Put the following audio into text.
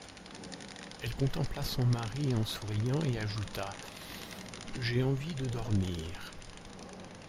Elle contempla son mari en souriant et ajouta: — J’ai envie de dormir.